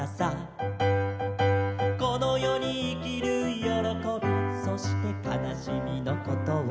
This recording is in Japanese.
「この世に生きるよろこびそして悲しみのことを」